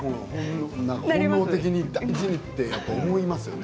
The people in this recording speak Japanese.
本能的に大事にと思いますよね。